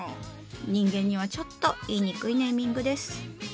人間にはちょっと言いにくいネーミングです。